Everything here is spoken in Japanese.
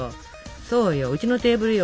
そうようちのテーブルよ